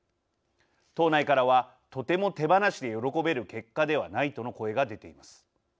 党内からはとても手放しで喜べる結果ではないとの声が出ています。